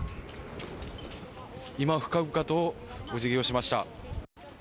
今、深々とお辞儀をしました。